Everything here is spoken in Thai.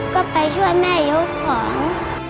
ก็ไปช่วยแม่ยกของ